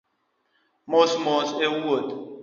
Mos mos e wuoth